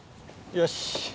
よし。